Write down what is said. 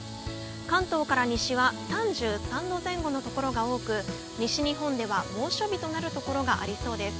関東から西は３３度前後の所が多く西日本では猛暑日となる所がありそうです。